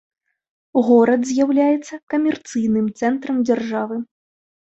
Горад з'яўляецца камерцыйным цэнтрам дзяржавы.